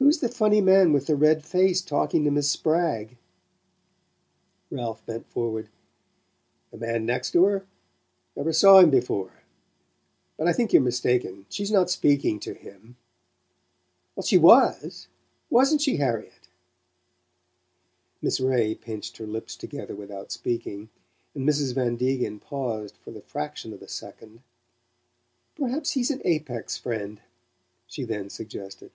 "Who's the funny man with the red face talking to Miss Spragg?" Ralph bent forward. "The man next to her? Never saw him before. But I think you're mistaken: she's not speaking to him." "She WAS Wasn't she, Harriet?" Miss Ray pinched her lips together without speaking, and Mrs. Van Degen paused for the fraction of a second. "Perhaps he's an Apex friend," she then suggested.